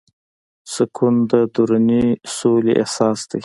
سکون د دروني سولې احساس دی.